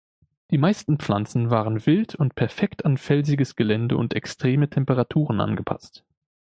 Die meisten Pflanzen waren wild und perfekt an felsiges Gelände und extreme Temperaturen angepasst.